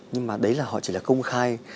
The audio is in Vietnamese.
nhưng mà đấy là họ chỉ là công khai